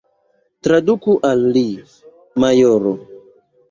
Traduku al li, majoro!